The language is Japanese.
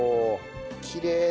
きれい。